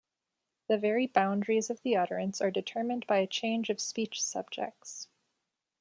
The very boundaries of the utterance are determined by a change of speech subjects.